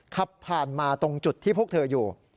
ขับผ่านมาตรงจุดที่พวกเธออยู่